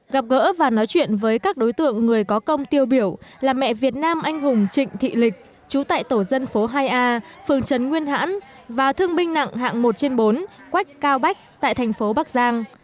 gặp gỡ và nói chuyện với các đối tượng người có công tiêu biểu là mẹ việt nam anh hùng trịnh thị lịch chú tại tổ dân phố hai a phường trần nguyên hãn và thương binh nặng hạng một trên bốn quách cao bách tại thành phố bắc giang